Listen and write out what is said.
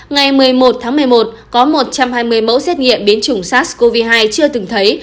ngày một mươi một tháng một mươi một có một trăm hai mươi mẫu xét nghiệm biến chủng sars cov hai chưa từng thấy